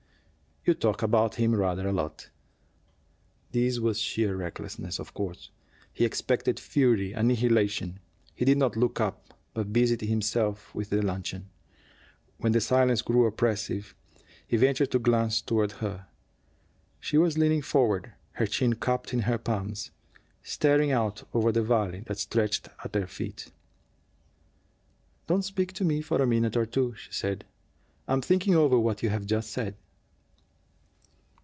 "You talk about him rather a lot." This was sheer recklessness, of course. He expected fury, annihilation. He did not look up, but busied himself with the luncheon. When the silence grew oppressive, he ventured to glance toward her. She was leaning forward, her chin cupped in her palms, staring out over the valley that stretched at their feet. "Don't speak to me for a minute or two," she said. "I'm thinking over what you have just said."